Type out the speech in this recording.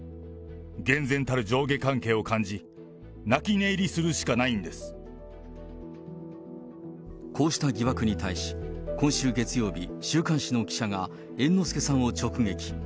厳然たる上下関係を感じ、こうした疑惑に対し、今週月曜日、週刊誌の記者が猿之助さんを直撃。